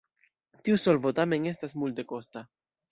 Tiu solvo tamen estas multekosta.